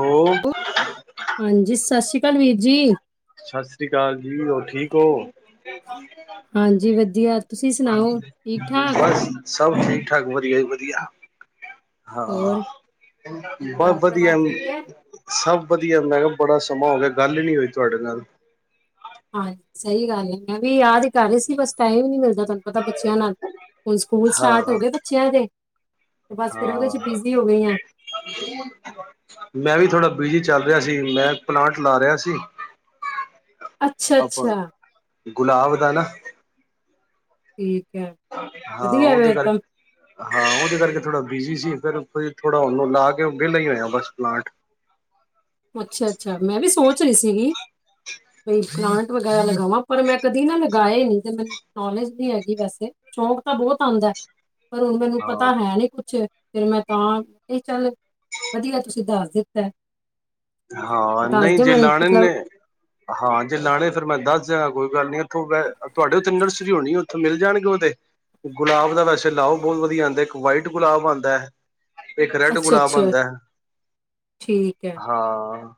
ਹੋ ਹਾਂਜੀ ਸ ਸ਼੍ਰੀ ਕਾਲ ਵੀਰ ਜੀ ਸ ਸ੍ਰੀ ਕਾਲ ਜੀ ਹੋਰ ਠੀਕ ਹੋ? ਹਾਂਜੀ ਵਧੀਆ ਤੁਸੀਂ ਸੁਣਾਓ ਠੀਕ [unintelligible] ਠਾਕ ਬਸ ਸਭ ਠੀਕ ਠਾਕ ਵਧੀਆ ਜੀ ਵਧੀਆ ਹਾਂ ਹੋਰ ਬ ਘਰ ਵਧੀਆ ਪਰਿਵਾਰ ਠੀਕ ਹੈ [unintelligible] ਸਭ ਵਧੀਆ ਮੈਂ ਕਿਹਾ ਬੜਾ ਸਮਾਂ ਹੋ ਗਿਆ ਗੱਲ ਨੀ ਹੋਈ ਤੁਹਾਡੇ ਨਾਲ ਹਾਂ ਸਹੀ ਗੱਲ ਐ ਮੈਂ ਵੀ ਯਾਦ ਹੀ ਕਰ ਰਹੀ ਸੀ ਬਸ ਟਾਈਮ ਹੀ ਨੀ ਮਿਲਦਾ ਤੁਹਾਨੂੰ ਪਤਾ ਬੱਚਿਆਂ ਨਾਲ ਹੁਣ ਸਕੂਲ ਸਟਾਰਟ ਹੋ ਹਾਂ ਗੇ ਬੱਚਿਆਂ ਦੇ ਬਸ ਫੇਰ ਉਹਦੇ ਚ ਬਿਜ਼ੀ ਹੋ ਗਈ ਹਾਂ ਹ [unintelligible] ਮੈਂ ਵੀ ਥੋੜ੍ਹਾ ਬਿਜੀ ਚੱਲ ਰਿਹਾ ਸੀ' ਮੈਂ ਪਲਾਂਟ ਲਾ ਰਿਹਾ ਸੀ ਅੱਛਾ ਆਪਾਂ ਅੱਛਾ ਗੁਲਾਬ ਦਾ ਨਾ ਠੀਕ ਹੈ ਹਾਂ ਵਧੀਆ ਉਹਦੇ ਫਿਰ ਕਰ ਤਾਂ ਹਾਂ ਉਹਦੇ ਕਰਕੇ ਥੋੜਾ ਬਿਜੀ ਸੀ ਫਿਰ ਕੋਈ ਥੋੜ੍ਹਾ ਉਹਨੂੰ ਲਾ ਕੇ ਬਸ ਵੇਲ਼ਾ ਹੀ ਹੋਇਆ ਬਸ ਪਲਾਂਟ ਅੱਛਾ ਅੱਛਾ ਮੈਂ ਵੀ ਸੋਚ ਰਹੀ ਸੀਗੀ ਬਈ ਪਲਾਂਟ ਵਗੈਰਾ ਲਗਾਵਾਂ ਪਰ ਮੈਂ ਕਦੀ ਨਾ ਲਗਾਏ ਨੀ ਤੇ ਮੈ ਨੌਲੇਜ ਨਹੀਂ ਹੈਗੀ ਵੈਸੇ ਸ਼ੌਂਕ ਤਾਂ ਬਹੁਤ ਆਉਂਦਾ ਪਰ ਹੁਣ ਮੈਨੂੰ ਪਤਾ ਹਾਂ ਹੈ ਨੀ ਕੁਛ ਫਿਰ ਮੈਂ ਤਾਂ ਚੱਲ ਵਧੀਆ ਤੁਸੀਂ ਦੱਸ ਦਿੱਤਾ ਐ ਹਾਂ ਨਹੀਂ ਜੇ ਲਾਣੇ ਨੇ ਮਤਲਬ ਹਾਂ ਜੇ ਲਾਣੇ ਫੇਰ ਮੈਂ ਦੱਸ ਦਗਾ ਕੋਈ ਗੱਲ ਨ ਉੱਥੋਂ ਤੁਹਾਡੇ ਉੱਥੇ ਨਰਸਰੀ ਹੋਣੀ ਉੱਥੇ ਮਿਲ ਜਾਣਗੇ ਉਹਦੇ ਗੁਲਾਬ ਦਾ ਵੈਸੇ ਲਾਓ ਬਹੁਤ ਵਧੀਆ ਆਉਦੇ ਇੱਕ ਵਾਈਟ ਗੁਲਾਬ ਆਂਦਾ ਹੈ ਅੱਛਾ ਅੱਛਾ ਠੀਕ ਐ। ਹਾਂ।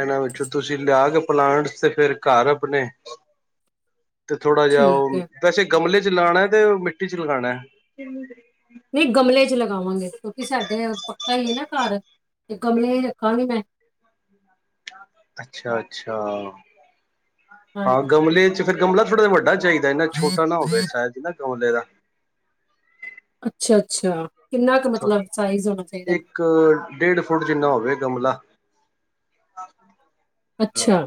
ਇਹਨਾਂ ਵਿੱਚੋਂ ਤੁਸੀਂ ਲਿਆ ਕੇ ਪਲਾਂਟਸ ਤੇ ਫਿਰ ਘਰ ਆਪਣੇ ਤੇ ਥੋੜਾ ਜਿਹਾ ਠੀਕ ਉਹ, ਹੈ ਵੈਸੇ ਗਮਲੇ ਚ ਲਾਣਾ ਤੇ ਮਿੱਟੀ ਚ ਲਗਾਣਾ ਐ ਨਹੀਂ ਗਮਲੇ ਚ ਲਗਾਵਾਂਗੇ ਕਿਉਂਕਿ ਸਾਡੇ ਪੱਕਾ ਹੀ ਹੈ ਨਾ ਘਰ ਤੇ ਗਮਲੇ ਚ ਰੱਖਾਂਗੀ ਮੈਂ [inaudible] ਅੱਛਾ-ਅੱਛਾ। ਹਾਂ ਗਮਲੇ ਚ ਫੇਰ ਗਮਲਾ ਥੋੜ੍ਹਾ ਵੱਡਾ ਚਾਹੀ ਇੰਨਾ ਛੋਟਾ ਨਾ ਹੋਵੇ ਹਾਂਜੀ ਸ਼ਾਇਦ ਨਾ ਗਮਲੇ ਦਾ ਅੱਛਾ ਅੱਛਾ ਕਿੰਨਾ ਕ ਮਤਲਬ ਸਾਈਜ਼ ਹੋਣਾ ਚਾਹੀਦਾ। ਇੱਕ-ਡੇਢ ਫੁੱਟ ਜਿੰਨਾ ਹੋਵੇ ਗਮਲਾ। ਹਾਂ। [unintelligible] ਅੱਛਾ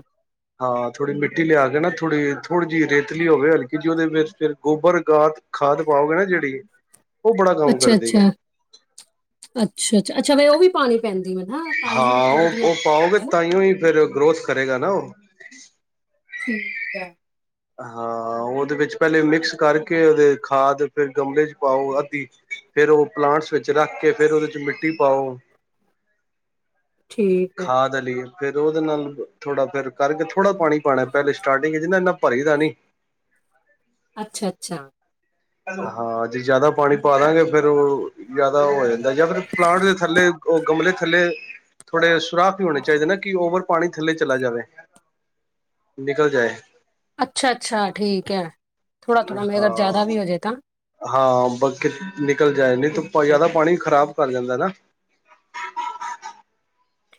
ਹਾਂ ਥੋੜ੍ਹੀ ਮਿੱਟੀ ਲਿਆ ਕੇ ਨਾ, ਥੋੜ੍ਹੀ ਥੋੜੀ ਜਿਹੀ ਰੇਤਲੀ ਹੋਵੇ ਹਲਕੀ ਜਹੀ। ਉਹਦੇ ਵਿੱਚ ਫਿਰ ਗੋਬਰ ਗਾਤ ਖਾਦ ਪਾਓਗੇ ਨਾ ਜਿਹੜੀ ਉਹ ਬੜਾ ਕੰਮ ਕਰਦੀ ਹੈ ਅੱਛਾ-ਅੱਛਾ, ਅੱਛਾ-ਅੱਛਾ-ਅੱਛਾ ਫੇਰ ਉਹ ਵੀ ਪਾਣੀ ਪੈਂਦੀ ਮਤ ਹਾਂ ਉਹ ਉਹ ਪਾਓਗੇ ਤਾਂਹੀਓ, ਹੀ ਫੇਰ ਗਰੋਥ ਕਰੇਗਾ ਨਾ ਉਹ ਠੀਕ ਐ। ਹਾਂ ਉਹਦੇ ਵਿੱਚ ਪਹਿਲੇ ਮਿਕਸ ਕਰਕੇ ਉਹਦੇ, ਖਾਦ ਫੇਰ ਗਮਲੇ ਚ ਪਾਓ ਅੱਧੀ ਫੇਰ ਉਹ ਪਲਾਂਟਸ ਵਿੱਚ ਰੱਖ ਕੇ ਫੇਰ ਉਹਦੇ ਚ ਮਿੱਟੀ ਪਾਓ। ਠੀਕ ਏ। ਖਾਦ ਲਈਏ ਫੇਰ ਉਹਦੇ ਨਾਲ ਥੋੜਾ ਫੇਰ ਕਰਕੇ ਥੋੜਾ ਪਾਣੀ ਪਾਉਣਾ, ਪਹਿਲੇ ਸਟਾਰਟਿੰਗ ਜਾ ਨਾ ਇਨਾ ਭਰੀ ਦਾ ਨੀ। ਅੱਛਾ-ਅੱਛਾ। ਹਾਂ ਜੇ ਜਿਆਦਾ ਪਾਣੀ ਪਾ ਦਾਂਗੇ ਫੇਰ ਉਹ ਜ਼ਿਆਦਾ ਹੋ ਜਾਂਦਾ ਜਾਂ ਫਿਰ ਪਲਾਂਟ ਦੇ ਥੱਲੇ, ਉਹ ਗਮਲੇ ਥੱਲੇ ਥੋੜੇ ਸੁਰਾਖ ਵੀ ਹੋਣੇ ਚਾਹੀਦੇ, ਨਾ ਕਿ ਓਵਰ ਪਾਣੀ ਥੱਲੇ ਚਲਾ ਜਾਵੇ। ਨਿਕਲ ਜਾਏ। ਅੱਛਾ-ਅੱਛਾ, ਠੀਕ ਐ, ਥੋੜ੍ਹਾ-ਥੋੜ੍ਹਾ ਮੇ ਅਗਰ ਜ਼ਿਆਦਾ ਹਾਂ ਵੀ ਹੋ ਜਾਏ ਤਾਂ ਹਾਂ ਬਕ ਨਿਕਲ ਜਾਏ ਨਾ ਠੀਕ ਹੈ ਜ਼ਿਆਦਾ ਪਾਣੀ ਖ਼ਰਾਬ ਕਰ ਜਾਂਦਾ ਨਾ।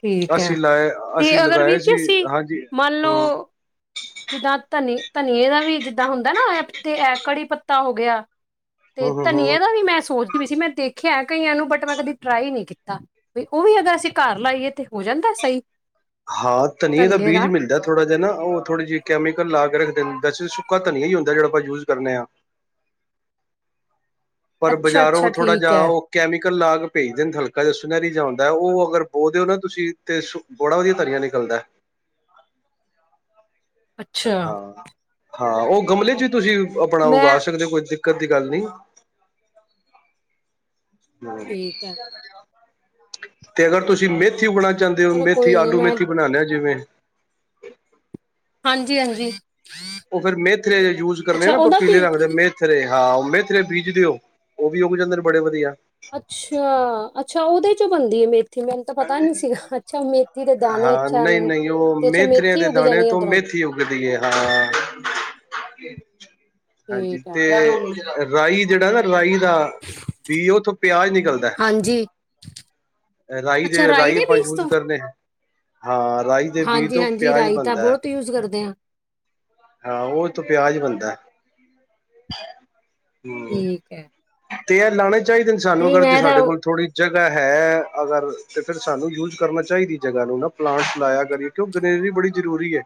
ਠੀਕ ਹੈ ਅਸੀਂ ਲਾਏ, ਤੇ ਅਸੀਂ ਅਗਰ ਲਗਾਏ ਵੀਰ ਜੀ ਸੀ, ਅਸੀਂ ਹਾਂਜੀ, ਮੰਨ ਹੂੰ ਲਓ ਜਿੱਦਾਂ ਧਨੀ ਧਨੀਏ ਦਾ ਵੀ ਜਿੱਦਾਂ ਹੁੰਦਾ, ਨਾ ਇਹ ਤੇ ਇਹ ਕੜੀ ਪੱਤਾ ਹੋ ਗਿਆ। ਤੇ ਹਮ ਹਮ ਹਮ ਧਨੀਏ ਦਾ ਵੀ ਮੈਂ ਸੋਚਦੀ ਵੀ ਸੀ, ਮੈਂ ਦੇਖਿਆ ਕਈ ਇਹਨੂੰ ਬਟ ਮੈਂ ਕਦੀ ਟਰਾਈ ਨਹੀਂ ਕੀਤਾ। ਬ ਉਹ ਵੀ ਅਗਰ ਅਸੀਂ ਘਰ ਲਾਈਏ ਤੇ ਹੋ ਜਾਂਦਾ ਸਹੀ। ਹਾਂ ਧਨੀਏ ਦਾ ਬੀਜ ਮਿਲਦਾ। ਥੋੜਾ ਜੀ ਨਾ ਉਹ ਥੋੜਾ ਕੈਮੀਕਲ ਦਾ ਕੇ ਰੱਖਦੇ ਵੈਸੇ ਸੁੱਕਾ ਧਨੀਆ ਹੀ ਹੁੰਦਾ, ਜਿਹੜਾ ਆਪਾਂ ਯੂਜ ਕਰੇ ਹਾਂ। ਪਰ ਅੱਛਾ ਬਾਜ਼ਾਰੋਂ ਅੱਛਾ ਥੋੜ੍ਹਾ ਠੀਕ ਜਿਹਾ, ਹੈ ਉਹ ਕੈਮੀਕਲ ਲਾਗ ਭੇਜਦੇ ਨੇ ਹਲਕਾ ਜਾ ਸੁਨਹਿਰੀ ਜਿਹਾ ਹੁੰਦਾ, ਉਹ ਅਗਰ ਬੋਹ ਦਿਓ ਨਾ ਤੁਸੀਂ ਤੇ ਬੜਾ ਵਧੀਆ ਧਨੀਆ ਨਿਕਲਦਾ। ਅੱਛਾ ਹਾਂ-ਹਾਂ, ਉਹ ਗਮਲੇ ਚ ਵੀ ਤੁਸੀਂ ਆਪਣਾ ਮੈਂ ਉਗਾ ਸਕਦੇ ਹੋ, ਕੋਈ ਦਿੱਕਤ ਦੀ ਗੱਲ ਨਹੀ। ਠੀਕ ਹੈ ਤੇ ਅਗਰ ਤੁਸੀਂ ਮਿੱਤ ਮੇਥੀ ਉਗਾਣਾ ਚਾਦੇ ਹੋ, ਚਲੋ ਮੇਥੀ ਕੋਈ ਨੀ ਆਲੂ ਮੈਂ ਮੇਥੀ ਬਣਾਏ ਆ ਲਿਆ ਜਿਵੇਂ ਹਾਂਜੀ-ਹਾਂਜੀ। ਉਹ ਫੇਰ ਮੇਥਰੇ ਯੂਜ ਕਰਨੇ ਨਾ ਉਹਦਾ ਪੀਲੇ ਕੀ ਰੱਖਦੇ ਮ ਥਰੇ ਹਾਂ ਮੇਥਰੇ ਬੀਜ ਦਿਓ, ਉਹ ਵੀ ਉੱਗ ਜਾਂਦੇ ਨੇ ਬੜੇ ਵਧੀਆ। ਅੱਛਾ-ਅੱਛਾ, ਉਹਦੇ ਚੋ ਬਣਦੀ ਹੈ ਮੇਥ ਥ ਮੈਨੂੰ ਤਾਂ ਪਤਾ ਹੀ ਨੀ ਸੀਗਾ ਅੱਛਾ, ਮੇਥੀ ਦੇ ਦਾਣੇ ਹਾਂ ਅੱਛਾ ਨਹੀਂ ਨੂੰ ਨਹੀਂ ਤੇ ਅੱਛਾ ਮੇਥੀ ਉੱਗ ਜਾਣੀ ਉੱਧਰੋਂ ਵਧੀਏ ਹਾਂ ਹਾਂਜੀ ਠੀਕ ਹੈ ਤੇ ਰਾਈ ਜਿਹੜਾ ਨਾ ਰਾਈ ਦਾ ਬੀ ਉਥੋਂ ਪਿਆਜ ਨਿਕਲਦਾ। ਹਾਂਜੀ ਹੈ ਰਾਈ ਦੇ ਅੱਛਾ ਰਾਈ, ਆਪਾਂ ਬੀਜ ਯੂਜ ਤੋਂ ਕਰਨੇ ਹਾਂ ਰਾਈ। ਦੇ ਬੀ ਹਾਂਜੀ ਤੋਂ ਹਾਂਜੀ ਪਿਆਜ਼ ਰਾਈ ਤਾਂ ਬਣਦਾ ਏ। ਬਹੁਤ ਯੂਜ਼ ਕਰਦੇ ਆ ਹਾਂ ਉਹ ਤੋਂ ਪਿਆਜ ਬਣਦਾ। ਹੂੰ, ਠੀਕ ਹੈ ਤੇ ਇਹ ਲਾਣੇ ਚਾਹੀਦੇ ਨੇ ਸਾਨੂੰ ਨਹੀਂ ਅਗਰ ਜੇ ਮੈਂ ਤਾਂ ਸਾਡੇ ਉਹ- ਕੋਲ ਥੋੜ੍ਹੀ ਜਗ੍ਹਾ ਹੈ। ਅਗਰ ਤੇ ਫਿਰ ਸਾਨੂੰ ਯੂਜ ਕਰਨਾ ਚਾਹੀਦੀ, ਜਗਾ ਨੂੰ ਨਾ ਪਲਾਂਟਸ ਲਾਇਆ ਕਰੀ ਕਿਉਂਕਿ ਗਰੀਨਰੀ ਬੜੀ ਜ਼ਰੂਰੀ ਹੈ।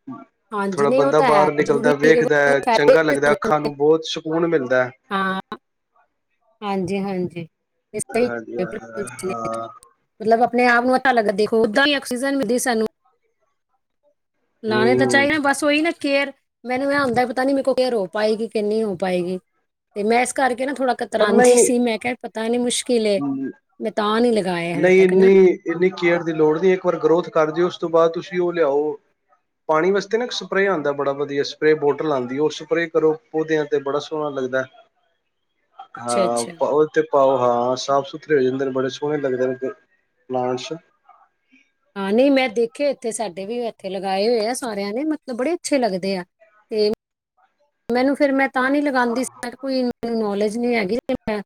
[unintelligible] ਹਾਂਜੀ ਥੋੜ੍ਹਾ ਨਹੀਂ ਉਹ ਬੰਦਾ ਤਾਂ ਹੈ ਬਾਹਰ ਜ਼ਰੂਰੀ ਨਿਕਲਦੈ ਹੈ ਕਿਉਂਕਿ ਉਹਦੇ ਵੇਖਦਾ, ਫਾਇਦੇ ਚੰਗਾ ਲੱਗਦਾ ਅੱਖਾਂ ਨੂੰ ਬਹੁਤ ਸਕੂਨ ਮਿਲਦਾ। ਹਾਂ ਹਾਂਜੀ-ਹਾਂਜੀ ਸਹੀ, ਹਾਂਜੀ ਕਿਹਾ ਬਿਲਕੁਲ ਸਹੀ ਕਿਹਾ। ਹਾਂ ਮਤਲਬ ਆਪਣੇ ਆਪ ਨੂੰ ਉਸ ਹਾਲਤ ਵਿੱਚ ਦੇਖੋ, ਓਦਾਂ ਹੀ ਆਕਸੀਜਨ ਮਿਲਦੀ ਸਾਨੂੰ ਲਾਣੇ ਤਾਂ, ਹਮ ਚਾਹੀਏ ਬਸ ਉਹੀ ਨਾ ਕੇਅਰ ਮੈਨੂੰ ਇਹ ਹੁੰਦਾ, ਹੀ ਪਤਾ ਨੀ ਮੇਰੇ ਕੋਲੋਂ ਕੇਅਰ ਹੋ ਪਾਏਗੀ, ਕਿ ਨਹੀ ਹੋ ਪਾਏਗੀ। ਤੇ ਮੈਂ ਇਸ ਕਰਕੇ ਨਾ ਥੋੜਾ ਪਰ ਕਤਰਾਉਂਦੀ ਨਹੀਂ ਸੀ, ਮੈਂ ਕਿਹਾ ਪਤਾ ਨੀ ਮੁਸ਼ਕਿਲ ਕਿਲੇ ਮੈਂ ਤਾਂ ਨੀ ਲਗਾਾਇਆ ਹਲੇੇ ਨਹੀਂ ਤੱਕ ਇੰਨੀ ਨਾ, ਇੰਨੀ ਕੇਅਰ ਦੀ ਲੋੜ ਨਹੀਂ ਇੱਕ ਵਾਰ ਗਰੋਥ ਕਰਦੇਓ, ਉਸ ਤੋਂ ਬਾਅਦ ਤੁਸੀਂ ਉਹ ਲਿਆਓ। ਪਾਣੀ ਵਾਸਤੇ ਨਾ ਇੱਕ ਸਪਰੇਅ ਆਉਂਦਾ ਬੜਾ ਵਧੀਆ ਸਪਰੇ ਬੋਟਲ ਆਉਂਦੀ ਉਹ ਸਪਰੇਅ ਕਰੋ, ਪੌਦਿਆਂ ਤੇ ਬੜਾ ਸੋਹਣਾ ਲੱਗਦਾ। ਅੱਛਾ ਹਾਂ, ਅੱਛਾ ਪਾਓ ਤੇ ਪਾਓ ਹਾਂ। ਸਾਫ ਸੁਥਰੇ ਹੋ ਜਾਂਦੇ ਨੇ, ਬੜੇ ਸੋਹਣੇ ਲਗਦੇ ਨੇ ਪਲਾਂਟਸ ਹਾਂ, ਨਈ ਮੈਂ ਦੇਖੇ ਏਥੇ, ਸਾਡੇ ਵੀ ਏਥੇ ਲਗਾਏ ਹੋਏ ਆ ਸਾਰੇਆਂ ਨੇ, ਮਤਲਬ ਬੜੇ ਅੱਛੇ ਲੱਗਦੇ ਆ। ਤੇ ਮੈਨੂੰ ਫੇਰ ਮੈਂ ਤਾਂ ਨਈ ਲਗਾਂਦੀ ਸੀ, ਮੈਂ ਕੇਆ ਕੋਈ ਮੈਨੂੰ ਨੌਲੇਜ ਨਈ ਹੈਗੀ, ਤੇ ਮੈਂ,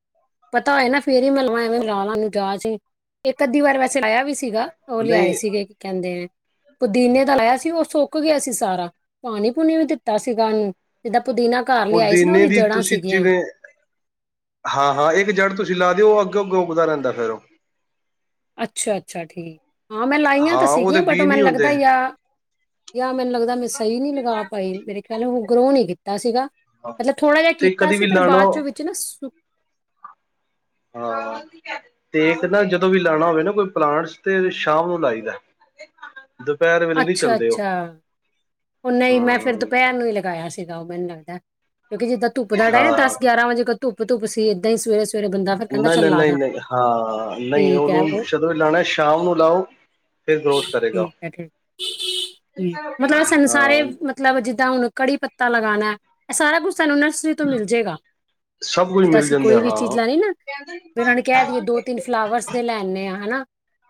ਪਤਾ ਹੋਏ ਨਾ ਫੇਰ ਈ ਮੈਂ ਲਵਾਂ, ਐਵੇਂ ਲਾਲਾ ਨੂੰ ਜਾਚ ਈ ਏਕ ਅੱਧੀ ਵਾਰ ਵੈਸੇ ਲਾਇਆ ਵੀ ਸੀਗਾ, ਉਹ ਲਿਆਏ ਨਹੀਂ ਸੀਗੇ, ਕੀ ਕੈਂਦੇ ਨੇ? ਪੁਦੀਨੇ ਦਾ ਲਾਇਆ ਸੀ, ਉਹ ਸੁੱਕ ਗਿਆ ਸੀ ਸਾਰਾ, ਪਾਣੀ ਪੂਣੀ ਵੀ ਦਿੱਤਾ ਸੀਗਾ, ਅਨ ਜਿੱਦਾਂ ਪੁਦੀਨਾ ਪੁਦੀਨੇ ਦੀ ਤੁਸੀਂ ਸੀਗੀਆਂ ਜਿਵੇਂ ਹਾਂ-ਹਾਂ ਏਕ ਜੜ੍ਹ ਤੁਸੀਂ ਲਾ ਦਿਓ, ਔਹ ਅੱਗੋਂ-ਅੱਗੋਂ ਉੱਗਦਾ ਰਹਿੰਦਾ ਫੇਰ ਔਹ। ਅੱਛਾ-ਅੱਛਾ ਠੀਕ, ਹਾਂ ਮੈਂ ਲਾਈਆਂ ਤੇ ਹਾਂ ਉਹਦੇ ਸੀਗੀਆਂ ਬਟ ਔ ਬੀਅ ਨਹੀਂ ਮੈਨੂੰ ਲੱਗਦਾ ਹੁੰਦੇ ਯਾ ਯਾ ਮੈਨੂੰ ਲੱਗਦਾ, ਮੈਂ ਸਈ ਨਈ ਲਗਾ ਪਾਈ, ਮੇਰੇ ਖਿਆਲ ਨਾਲ ਓ ਗਰੋ ਨਈ ਕੀਤਾ ਸੀਗਾ। ਮਤਲਬ ਥੋੜਾ ਜੇਹਾ ਤੇ ਕੀਤਾ ਕਦੇ ਸੀ, ਵੀ ਪਰ ਲਾਣਾ ਬਾਅਦ ਚੋਂ ਵਿੱਚ ਨਾ ਸੁੱਕ ਹਾਂ, ਤੇ ਇੱਕ ਨਾ ਜਦੋਂ ਵੀ ਲਾਣਾ ਹੋਵੇ ਨਾ ਕੋਈ ਪਲਾਂਟਸ, ਤੇ ਸ਼ਾਮ ਨੂੰ ਲਾਈ ਦਾ। ਦਪੈਰ ਵੇਲੇ ਨਈ ਚੱਲਦੇ ਔਹ। ਅੱਛਾ-ਅੱਛਾ ਉਹ ਨਈ, ਮੈਂ ਫਿਰ ਦੁਪੈਰ ਨੂੰ ਈ ਲਗਾਇਆ ਸੀਗਾ, ਉਹ ਮੈਨੂੰ ਲੱਗਦਾ ਏ, ਕਿਉਂਕਿ ਜਿੱਦਾਂ ਤੁੱਪ ਦਾ ਟੈਮ, ਹਾਂ ਦਸ ਗਿਆਰਾਂ ਵਜੇ ਕ ਤੁੱਪ-ਤੁੱਪ ਸੀ, ਏਦਾਂ ਈ ਸਵੇਰੇ-ਸਵੇਰੇ ਬੰਦਾ ਫਿਰ ਕਹਿੰਦਾ ਚੱਲ ਲਾ ਦਾ। ਨਈ-ਨਈ-ਨਈ-ਨਈ ਹਾਂ, ਨਈ ਠੀਕ ਉਹਨੂੰ ਹੈ ਉਹ ਜਦੋਂ ਵੀ ਲਾਣਾ ਏ, ਸ਼ਾਮ ਨੂੰ ਲਾਓ। ਫੇਰ ਗਰੋਥ ਕਰੇਗਾ। ਠੀਕ ਹੈ ਠੀਕ ਠੀਕ ਮਤਲਬ [unintelligible] ਸਾਨੂੰ ਸਾਰੇ ਮਤਲਬ ਜਿੱਦਾਂ ਹੁਣ ਕੜੀ ਪੱਤਾ ਲਗਾਣਾ ਐ, ਏਹ ਸਾਰਾ ਕੁਛ ਸਾਨੂੰ ਨਸ਼ ਤੋਂ ਮਿਲ ਜੇਗਾ। ਸਭ ਕੁਝ ਜਿੱਦਾਂ ਮਿਲ ਅਸੀਂ ਜਾਂਦਾ ਕੋਈ ਵੀ ਹਾਂ ਚੀਜ਼ ਲੈਣੀ ਨਾ, ਵੀ ਉਨਾਂ ਨੂੰ ਕੇਹ ਦੀਏ ਦੋ ਤਿੰਨ ਫਲਾਵਰਸ ਦੇ ਲੈੇ ਆਨੇ ਆਂ ਹਨਾ,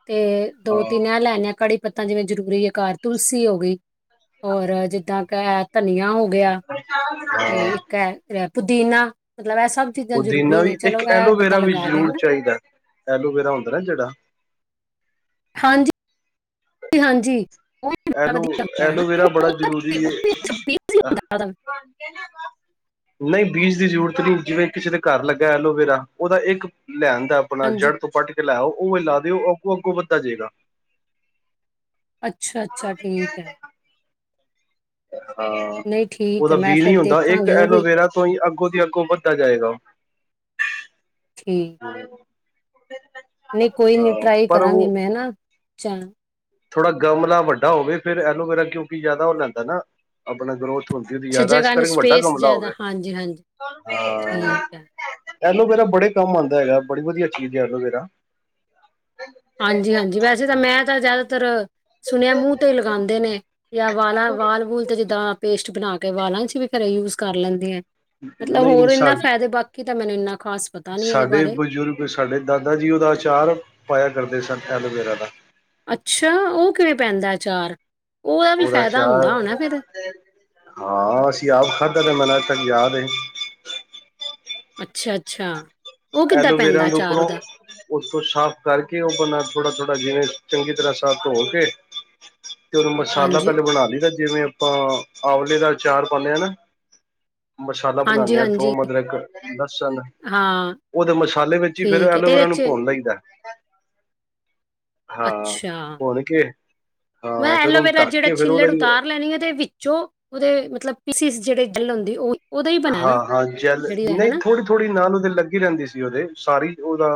ਤੇ ਦੋ ਹਾਂ ਤਿੰਨ ਏਹ ਲੈੇ ਆਨੇ ਆਂ ਕੜੀ ਪੱਤਾ ਜਿਵੇਂ ਜ਼ਰੂਰੀ ਏ ਕਾਰ, ਤੁਲਸੀ ਹੋ ਗਈ। ਹੋਰ ਜਿੱਦਾਂ ਕ ਏਹ ਤਨੀਆ ਹੋ ਗਿਆ। ਤੇ ਹਾਂ ਇੱਕ ਐ ਰੇ ਪੁਦੀਨਾ, ਮਤਲਬ ਏਹ ਸਭ ਚੀਜ਼ਾਂ ਪੁਦੀਨਾ ਜ਼ਰੂਰੀ ਨੇ ਵੀ, ਚਲੋ ਇੱਕ ਇਹ ਬੰਦਾ ਐਲੋਵੇਰਾ ਵੀ ਲਗਾ ਲਿਆ ਜਰੂਰ ਹਨਾ ਚਾਹੀਦਾ ਏ, ਐਲੋਵੇਰਾ ਹੁੰਦਾ ਨਾ ਜੇੜਾ ਹਾਂਜੀ। ਹਾਂਜੀ। ਉਹ ਵੀ ਬੜਾ ਐਲੋ, ਵਧੀਆ ਹੁੰਦਾ ਹੈ ਨਾ ਐਲੋਵੀਰਾ ਬੜਾ ਉਹਦਾ ਜਰੂਰੀ ਕੀ- ਉਹ ਏ ਵੀ ਸਪੀਸ ਹੀ ਅਹ ਹੁੰਦਾ ਉਹਦਾ ਨਈ, ਬੀਜ ਦੀ ਜਰੂਰਤ ਨਈ, ਜਿਵੇਂ ਕਿਸੇ ਦੇ ਕਾਰ ਲੱਗਾ ਐਲੋਵੀਰਾ, ਔਦਾ ਇੱਕ ਲੈਣ ਦਾ। ਅਪਣਾ ਹਾਂਜੀ ਜੜ ਤੋਂ ਪੱਟ ਕੇ ਲੈ ਆਓ, ਉਵੇਂ ਲਾ ਦਿਓ, ਓ ਅੱਗੋਂ-ਅੱਗੋਂ ਵਦਾ ਜਾਏਗਾ। ਅੱਛਾ-ਅੱਛਾ, ਠੀਕ ਏ। ਹਾਂ, ਨਹੀਂ ਠੀਕ ਔਦਾ ਹੈ ਮੈਂ ਬੀ ਨੀ ਫਿਰ ਹੁੰਦਾ, ਏਕ ਦੇਖਾਂਗੀ ਉਹ ਵੀ ਐਲੋਵੇਰਾ ਤੋਂ ਈ ਅੱਗੋਂ ਦੀ ਅੱਗੋਂ ਵੱਦਾ ਜਾਏਗਾ ਉਹ। ਠੀਕ। [unintelligible] ਨਈ ਕੋਈ ਨੀ, ਟਰਾਈ ਪਰ ਕਰਾਂਗੀ ਉਹ ਮੈਂ ਨਾ, ਜਾ ਥੋੜਾ ਗਮਲਾ ਵੱਡਾ ਹੋਵੇ, ਫਿਰ ਐਲੋਵੇਰਾ ਕਿਉਂਕਿ ਯਾਅਦਾ ਓ ਲੈਂਦਾ ਨਾ, ਅਪਣਾ ਗਰੋਥ। ਹੁਣ ਫਿਰ ਅੱਛਾ ਯਾਦਾ ਛ ਜਗ੍ਹਾ ਨੂੰ [unintelligible] ਵੱਡਾ ਸਪੇਸ ਗਮਲਾ ਜ਼ਿਆਦਾ ਹੋਵੇ, ਹਾਂਜੀ ਹਾਂਜੀ ਹਾਂ। [unintelligible] ਠੀਕ ਹੈ ਐਲੋਵੇਰਾ ਬੜੇ ਕੰਮ ਆਉਂਦਾ ਹੈਗਾ। ਬੜੀ ਵਧੀਆ ਚੀਜ਼ ਏ ਐਲੋਵੇਰਾ। ਹਾਂਜੀ-ਹਾਂਜੀ, ਵੈਸੇ ਤੇ ਮੈਂ ਤਾਂ ਜਾਦਾਤਰ, ਸੁਣਿਆ ਮੂੰਹ ਤੇ ਈ ਲਗਾਂਦੇ ਨੇ। ਯਾ ਵਾਲਾਂ, ਵਾਲ ਵੂਲ ਤੇ ਜਿੱਦਾਂ ਪੇਸਟ ਬਣਾ ਕੇ, ਵਾਲਾਂ ਚ ਵੀ ਘਰੇ ਯੂਜ ਕਰ ਲੈਂਦੇ ਐ? ਮਤਲਬ ਨਹੀਂ ਨਹੀਂ ਹੋਰ ਸਾ ਇੰਨਾ ਫਾਇਦੇ, ਬਾਕੀ ਤਾਂ ਮੈਨੂੰ ਇੰਨਾ ਖ਼ਾਸ ਪਤਾ ਨੀ ਇਹਦੇ ਸਾਡੇ ਬਾਰੇ ਬਜ਼ੁਰਗ, ਸਾਡੇ ਦਾਦਾ ਜੀ ਔਦਾ ਆਚਾਰ ਪਾਇਆ ਕਰਦੇ ਸਨ, ਐਲੋਵੇਰਾ ਦਾ। ਅੱਛਾ, ਔਹ ਕਿਵੇਂ ਪੈਂਦਾ ਅਚਾਰ? ਔਅਵਾ ਵੀ ਉਹਦਾ ਫ਼ੈਦਾ ਹੁੰਦਾ ਅਚਾਰ ਹੋਣਾ ਫਿਰ? ਹਾਂ, ਅਸੀਂ ਆਪ ਖਾਧਾ ਦਾ ਏ, ਮੈਨੂੰ ਅੱਜ ਤੱਕ ਯਾਦ ਐ। ਅੱਛਾ-ਅੱਛਾ। ਐਲੋਵੀਰਾ ਨੂੰ ਉੱਪਰੋਂ ਉਤੋਂ ਸਾਫ਼ ਕਰਕੇ, ਉਹ ਅਪਣਾ ਥੋੜ੍ਹਾ-ਥੋੜ੍ਹਾ ਜਿਵੇਂ ਚੰਗੀ ਤਰ੍ਹਾਂ ਸਾਫ਼ ਧੋ ਕੇ ਫਿਰ ਮਸਾਲਾ ਹਾਂਜੀ ਪੈਲੇ ਬਣਾ ਲਈਦਾ ਏ, ਜਿਵੇਂ ਅਪਾਂ ਆਂਵਲੇ ਦਾ ਅਚਾਰ ਪਾਣੇ ਆ ਨਾ। ਮਸਾਲਾ ਹਾਂਜੀ ਬਣਾਣੇ ਆ ਹਾਂਜੀ ਥੋਮ, ਅਦਰਕ, ਲਸਣ ਹਾਂ। ਉਹਦੇ ਮਸਾਲੇ ਵਿੱਚ ਹੀ ਫੇਰ ਠੀਕ ਹੈ ਤੇ ਇਹਦੇ ਐਲੋਵੇਰਾ ਨੂੰ 'ਚ ਭੁੰਨ ਲਈਦਾ। ਹਾਂ ਅੱਛਾ ਉਹ ਕ ਮੈਂ ਐਲੋਵੇਰਾ, ਜਿਹੜਾ ਛਿੱੜ ਉਤਾਰ ਲੈਣੀ ਆਦੇ ਵਿੱਚੋਂ ਉਹਦੇ ਮਤਲਬ ਪੀਸੀਜ ਜਿਹੜੇ ਜਲ ਹੁੰਦੀ ਉਹ ਉਹਦਾ ਹੀ ਬਣਾ ਨਾ ਹਾਂ-ਹਾਂ ਜੈਲ ਜਿਹੜੀ ਹੈ ਨਹੀਂ ਹਨਾ ਥੋੜ੍ਹੀ-ਥੋੜ੍ਹੀ ਨਾਲ ਉਹਦੇ ਲੱਗੀ ਰਹਿੰਦੀ ਸੀ, ਉਹਦੇ ਸਾਰੀ ਉਹਦਾ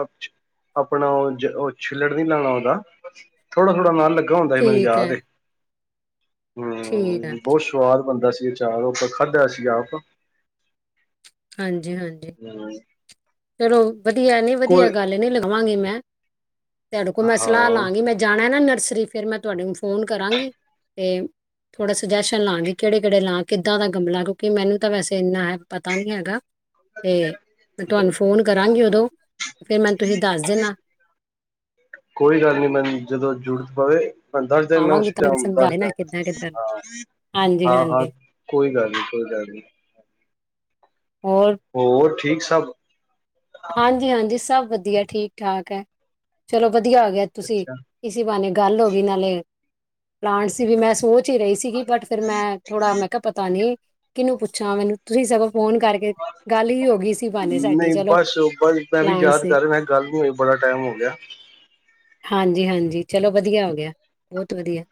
ਆਪਣਾ ਉਹ ਉਹ ਛਿੱਲੜ ਨਹੀਂ ਲਾਉਣਾ, ਉਹਦਾ ਥੋੜਾ-ਥੋੜਾ ਨਾ ਲੱ ਹੁੰਦਾ ਸੀ ਮੈਨੂੰ ਠੀਕ ਯਾਦ ਹੈ ਐ ਠੀਕ ਆ ਸਵਾਦ ਬਣਦਾ ਸੀ, ਚਾਰ ਆਪ ਖਾਧਾ ਸੀ ਆਪ ਹਾਂਜੀ-ਹਾਂਜੀ, [unintelligible] ਚਲੋ ਵਧੀਆ ਨੀ ਵਧੀਆ ਕੋਈ ਗੱਲ ਨੀ ਲਿਖਵਾਂਗੀ, ਮੈਂ'ਤੁਹਾਡੇ ਕੋਲ ਮੈਂ ਸਲਾਹ ਹਾਂ ਲਾਗੀ ਮੈਂ ਜਾਣਾ ਨਾ ਨਰਸਰੀ ਫਿਰ, ਮੈਂ ਤੁਹਾਡੇ ਫੋਨ ਕਰਾਂਗੀ ਤੇ ਥੋੜਾ ਸੁਜੈਸ਼ਨ ਲਾਗੀ ਕਿਹੜੇ-ਕਿਹੜੇ ਲਾ, ਕਿੱਦਾਂ ਦਾ ਗਮਲਾ ਕਿਉਂਕਿ ਮੈਨੂੰ ਤਾਂ ਵੈਸੇ ਇੰਨਾ ਹੈ ਪਤਾ ਨੀ ਹੈਗਾ ਅਤੇ ਮੈਂ ਤੁਹਾਨੂੰ ਫੋਨ ਕਰਾਂਗੀ, ਉਦੋਂ ਫਿਰ ਮੈਂਨੂੰ ਤੁਸੀਂ ਦੱਸ ਦੇਣਾ ਕੋਈ ਗੱਲ ਨਹੀ, ਮੈਨੂੰ ਜਦੋਂ ਜੂਰਤ ਪਵੇ ਆਵਾਂਗੀ ਤਾਂ ਮੈਨੂੰ ਸਮਝਾ ਦੇਣਾ ਕਿੱਦਾਂ ਕਿੱਦਾਂ [unintelligible] ਹਾਂਜੀ ਹਾਂ-ਹਾਂ ਹਾਂਜੀ ਕੋਈ ਗੱਲ ਨਹੀਂ, ਕੋਈ ਗੱਲ ਨਹੀਂ ਹੋਰ ਹੋਰ ਠੀਕ ਸਭ ਹਾਂਜੀ-ਹਾਂਜੀ, ਸਭ ਵਧੀਆ ਠੀਕ ਠਾਕ ਹੈ, ਚਲੋ ਵਧੀਆ ਆ ਗਿਆ ਤੁਸੀਂ ਅੱਛਾ ਇਸ ਬਾਨੇ ਗੱਲ ਹੋ ਗਈ ਨਾਲੇ' ਪਲਾਂਟ ਦੀ ਵੀ ਮੈਂ ਸੋਚ ਹੀ ਰਹੀ ਸੀਗੀ, ਬਟ ਫੇਰ ਮੈਂ ਥੋੜਾ ਮੈਂ ਕਿਹਾ ਪਤਾ ਨੀ ਕਿਹਨੂੰ ਪੁੱਛਾਂ ਮੈਨੂੰ ਤੁਸੀਂ ਸਗੋਂ ਫੋਨ ਕਰਕੇ ਗੱਲ ਹੀ ਹੋ ਗਈ ਸੀ, ਬੇ ਸਾਡੀ ਨਹੀਂ ਚਲੋ ਬਸ ਮੈਂ ਵੀ ਪਲਾਂਟਸ ਯਾਦ ਦੀ ਕਰ ਰਿਹਾ, ਗੱਲ ਨੂੰ ਬੜਾ ਟਾਈਮ ਹੋ ਗਿਆ। ਹਾਂਜੀ-ਹਾਂਜੀ ਚਲੋ ਵਧੀਆ ਹੋ ਗਿਆ, ਬਹੁਤ ਵਧੀਆ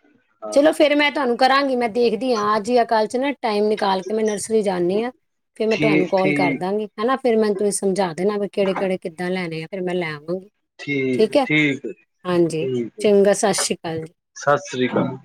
ਹਾਂ ਚਲੋ ਫੇਰ ਮੈਂ ਤੁਹਾਨੂੰ ਕਰਾਂਗੀ ਮੈਂ ਦੇਖਦੀ, ਹਾਂ ਅੱਜ ਆ ਕੱਲ ਚ ਨਾ ਟਾਈਮ ਨੇ ਨਿਕਾਲ ਕੇ ਮੈਂ ਨਰਸਰੀ ਜਾਂਦੀ ਹਾਂ, ਫੇਰ ਮੈਂ ਤੁਹਾਨੂੰ ਠੀਕ ਕਾਲ ਕਰ ਠੀਕ ਦਾਂਗੀ ਹਨਾ ਫੇਰ ਮੈ ਤੁੰ ਸਮਝਾ ਇਨ੍ਹਾਂ ਨੂੰ ਕਿੜੇ-ਕਿੜੇ ਕਿੱਦਾਂ ਲੈਣੇ, ਆ ਫੇਰ ਮੈਂ ਲੇ ਆਵਾਂਗੀ ਠੀਕ ਹੈ, ਹਾਜੀ ਠੀਕ ਚੰਗਾ ਸਤਿ ਸ੍ਰੀ ਅਕਾਲ ਜੀ। ਸਤਿ ਸ੍ਰੀ ਅਕਾਲ